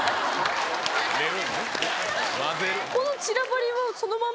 この。